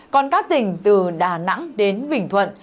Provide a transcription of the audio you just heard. còn các tỉnh từ đà nẵng đến bình thuận